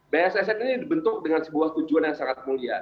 bssn ini dibentuk dengan sebuah tujuan yang sangat mulia